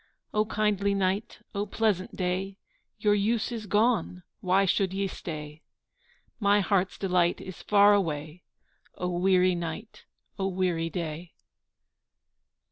O kindly night, O pleasant day, Your use is gone why should ye stay? My heart's delight is far away, O weary night, O weary day.